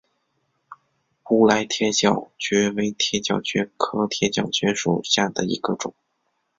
乌来铁角蕨为铁角蕨科铁角蕨属下的一个种。